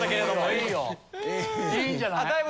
いいんじゃない？